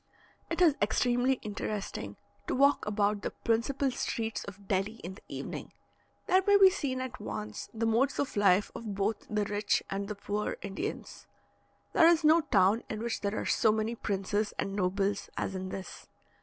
It is extremely interesting to walk about the principal streets of Delhi in the evening. There may be seen at once the modes of life of both the rich and the poor Indians. There is no town in which there are so many princes and nobles as in this.